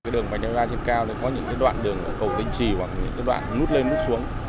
đường vành đai ba trên cao thì có những đoạn đường cầu vĩnh trì hoặc những đoạn nút lên nút xuống